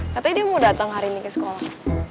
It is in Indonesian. katanya dia mau datang hari ini ke sekolah